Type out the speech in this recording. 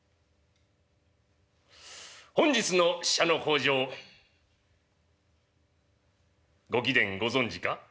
「本日の使者の口上ご貴殿ご存じか？」。